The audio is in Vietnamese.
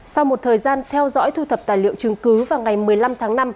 sau một thời gian theo dõi thu thập tài liệu chứng cứ vào ngày một mươi năm tháng năm